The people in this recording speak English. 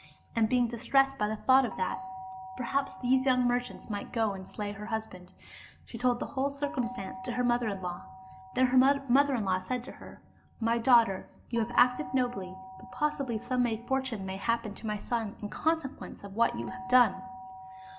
And being distressed by the thought that 89 Oriental Mystery Stories perhaps these young merchants might go and slay her hus band, she told the whole circumstance to her mother in law. Then her mother in law said to her, " My daughter, you have acted nobly, but possibly some misfortune may happen to my son in consequence of what you have done."